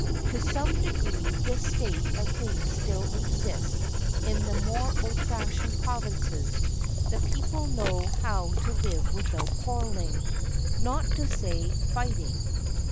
To some degree this state of things still exists in the more old fashioned provinces: the people know how to live without quarreling, not to say fighting.